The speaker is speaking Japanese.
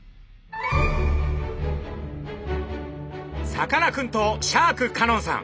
さかなクンとシャーク香音さん。